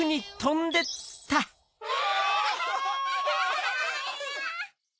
うわ！